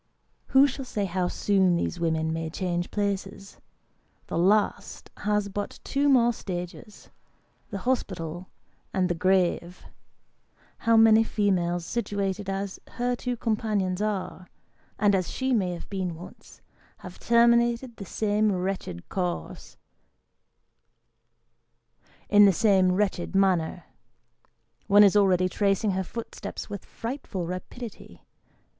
Who shall say how soon these women may change places ? The last has but two more stages the hospital and the grave. How many females situated as her two companions are, and as she may have been once, have terminated the same wretched course, in the same wretched manner ? One is already tracing her footsteps with frightful rapidity.